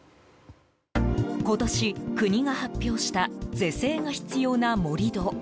今年、国が発表した是正が必要な盛り土。